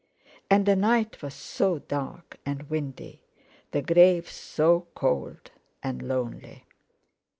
And the night was so dark and windy; the grave so cold and lonely!